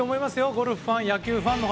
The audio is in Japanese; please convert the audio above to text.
ゴルフファン、野球ファンの方